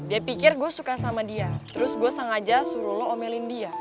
dia pikir gue suka sama dia terus gue sengaja suruh lo omelin dia